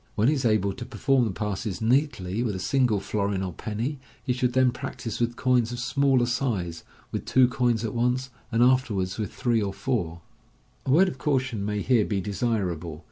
When he is able to perform the passes neatly with a single florin or penny, he should then practise with coins of smaller size, with two coins at once, and afterwards with three or four. Fig. 74. MODERN MAGIC. i<>S A word of caution may here be desirable.